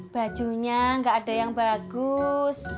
bajunya nggak ada yang bagus